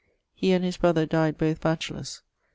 He and his brother dyed both batchelors.